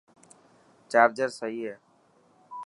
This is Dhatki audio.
چارجر سئي هي.